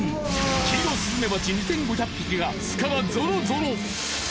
キイロスズメバチ２，５００匹が巣からゾロゾロ。